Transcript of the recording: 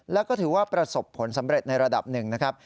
แล้วก็ถือว่าประสบผลสำเร็จในระดับหนึ่งนะครับ